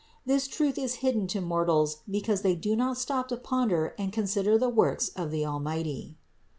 This truth is hidden to mortals because they do not stop to ponder and consider the works of the Almighty.